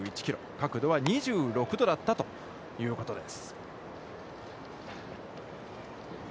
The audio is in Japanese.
角度は２６度だったということです。